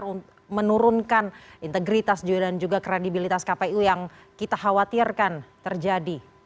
untuk menurunkan integritas dan juga kredibilitas kpu yang kita khawatirkan terjadi